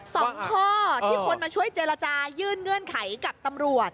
สองข้อที่คนมาช่วยเจรจายื่นเงื่อนไขกับตำรวจ